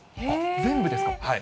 全部ですか。